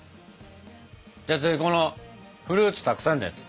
じゃあ次このフルーツたくさんのやつ。